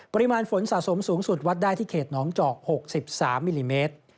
ปริมาณฝนสะสมสูงสุดวัดได้ที่เขตน้องจอก๖๓มิลลิเมตร